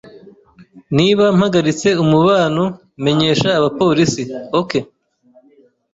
Niba mpagaritse umubano, menyesha abapolisi, OK?